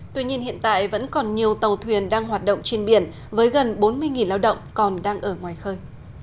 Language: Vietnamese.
tuy nhiên hiện tại vẫn còn nhiều tàu thuyền đang hoạt động trên biển với gần bốn mươi lao động còn đang ở ngoài khơi